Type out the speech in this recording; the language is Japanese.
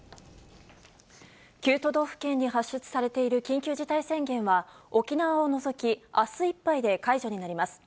９都道府県に発出されている緊急事態宣言は、沖縄を除き、あすいっぱいで解除になります。